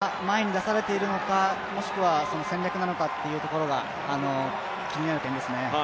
これは前に出されているのか、もしくは戦略なのかというところが気になる点ですね。